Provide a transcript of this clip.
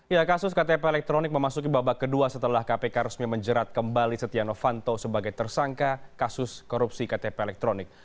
ya kasus ktp elektronik memasuki babak kedua setelah kpk resmi menjerat kembali setia novanto sebagai tersangka kasus korupsi ktp elektronik